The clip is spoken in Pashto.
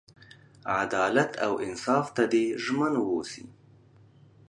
عدالت او انصاف ته دې ژمن ووسي.